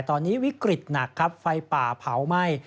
ตอนนี้วิกฤตหนักครับไฟป่าเผาไหม้